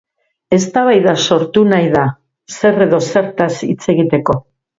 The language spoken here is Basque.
Eztabaida sortu nahi da zer edo zertaz hitz egiteko.